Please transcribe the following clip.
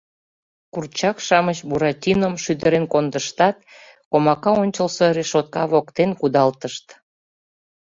Курчак-шамыч Буратином шӱдырен кондыштат, комака ончылсо решотка воктен кудалтышт.